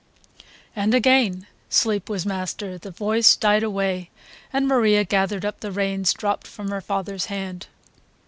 And again sleep was master, the voice died away, and Maria gathered up the reins dropped from her father's hand.